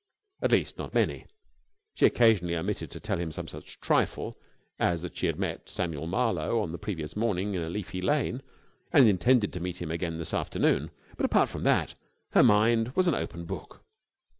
At least, not many. She occasionally omitted to tell him some such trifle as that she had met Samuel Marlowe on the previous morning in a leafy lane, and intended to meet him again this afternoon, but apart from that her mind was an open book.